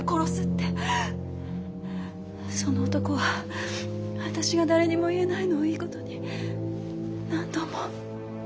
その男は私が誰にも言えないのをいい事に何度も。